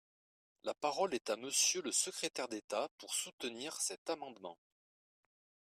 La parole est à Monsieur le secrétaire d’État, pour soutenir cet amendement.